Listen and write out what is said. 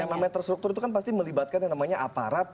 yang namanya terstruktur itu kan pasti melibatkan yang namanya aparat